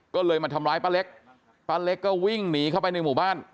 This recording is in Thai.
ก็เลยมาทำร้ายป้าเล็กป้าเล็กก็วิ่งหนีเข้าไปในหมู่บ้าน